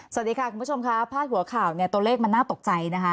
สวัสดีค่ะคุณผู้ชมค่ะพาดหัวข่าวเนี่ยตัวเลขมันน่าตกใจนะคะ